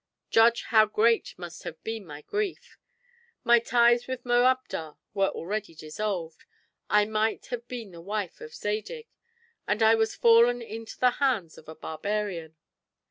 Judge how great must have been my grief. My ties with Moabdar were already dissolved; I might have been the wife of Zadig; and I was fallen into the hands of a barbarian.